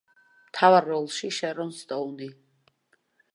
მთავარ როლში შერონ სტოუნი.